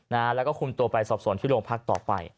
นะฮะแล้วก็คุมตัวไปสอบสังค์ภัยที่โรงพักษณ์ต่อไป